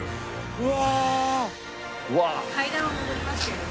うわ。